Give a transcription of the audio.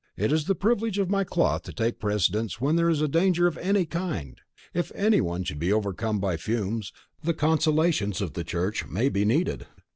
It is the privilege of my cloth to take precedence when there is danger of any kind. If any one should be overcome by fumes, the consolations of the church may be needed."